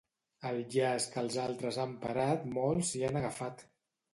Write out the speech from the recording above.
Al llaç que als altres han parat molts s'hi han agafat.